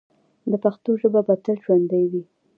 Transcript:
د پښتنو ژبه به تل ژوندی وي.